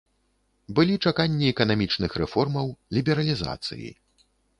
Былі чаканні эканамічных рэформаў, лібералізацыі.